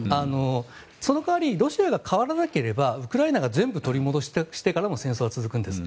その代わりロシアが変わらなければウクライナが全部取り戻してからも戦争は続くんです。